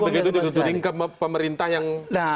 tapi begitu dituding ke pemerintah yang punya kuasa